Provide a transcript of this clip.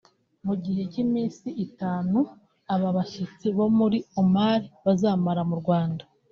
Mu gihe cy’iminsi itanu aba bashyitsi bo muri Omar bazamara mu Rwanda